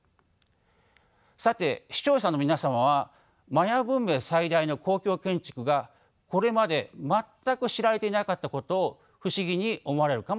さて視聴者の皆様はマヤ文明最大の公共建築がこれまで全く知られていなかったことを不思議に思われるかもしれません。